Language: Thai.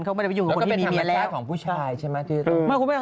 เขาไม่ได้อยู่กับคนที่มีเมียแล้วแล้วก็เป็นธรรมชาติของผู้ชายใช่ไหม